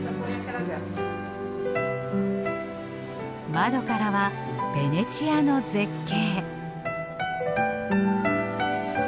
窓からはベネチアの絶景。